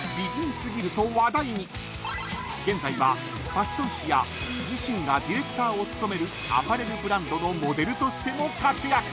［現在はファッション誌や自身がディレクターを務めるアパレルブランドの］